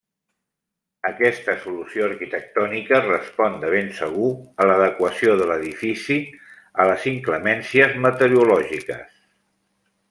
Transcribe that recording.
Aquesta solució arquitectònica respon de ben segur a l'adequació de l'edifici a les inclemències meteorològiques.